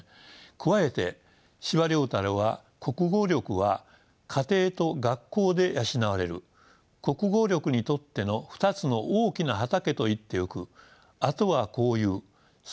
加えて司馬太郎は「国語力は家庭と学校で養われる。国語力にとっての２つの大きな畑といってよくあとは交友そして大事なのは読書である」と言っています。